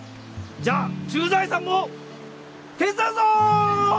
じゃあ駐在さんも手伝うぞぉ！